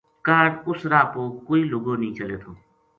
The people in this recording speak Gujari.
کاہڈ اُس راہ پو کوئی لُگو نیہہ چلے تھو